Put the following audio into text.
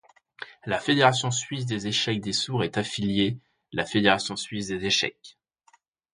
La Fédération Suisse des échecs des sourds est affilié la Fédération suisse des échecs.